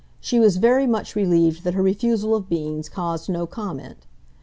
She was very much relieved that her refusal of beans caused no comment.